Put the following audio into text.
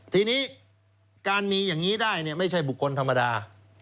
ทีนี้การมีอย่างนี้ได้ไม่ใช่บุคคลธรรมดา